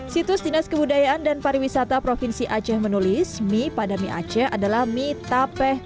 situs dinas kebudayaan dan pariwisata provinsi aceh menulis mie pada mie aceh adalah mie tapeh